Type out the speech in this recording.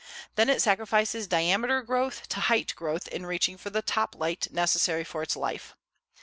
Then it sacrifices diameter growth to height growth in reaching for the top light necessary for its life.